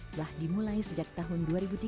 telah dimulai sejak tahun dua ribu tiga